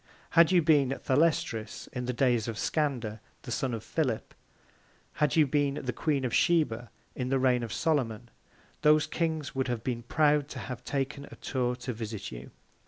Had you been Thalestris in the Days of Scander, the Son of Philip; had you been the Queen of Sheba, in the Reign of Solomon, those Kings would have been proud to have taken a Tour to visit you.